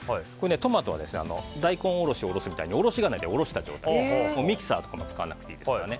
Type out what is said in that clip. トマトは大根おろしでおろすみたいにおろし金でおろしてミキサーとかも使わなくていいですからね。